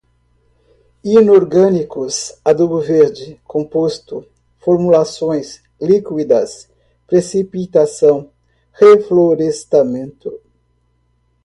inorgânicos, adubo verde, composto, formulações, líquidas, precipitação, reflorestamento